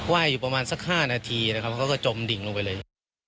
ไหว้อยู่ประมาณสักห้านาทีนะครับก็ก็จมดิ่งลงไปเลย